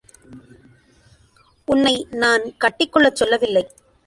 உன்னை நான் கட்டிக் கொள்ளச் சொல்லவில்லை.